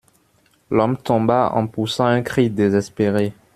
L'homme tomba en poussant un cri désespéré.